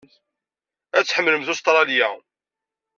Ad tḥemmlemt Ustṛalya.